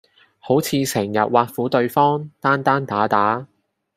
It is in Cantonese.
好似成日挖苦對方，單單打打